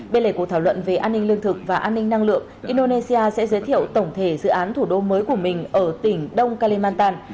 bên lề cuộc thảo luận về an ninh lương thực và an ninh năng lượng indonesia sẽ giới thiệu tổng thể dự án thủ đô mới của mình ở tỉnh đông kalimantan